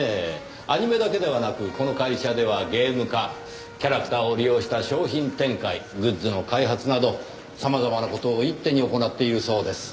アニメだけではなくこの会社ではゲーム化キャラクターを利用した商品展開グッズの開発など様々な事を一手に行っているそうです。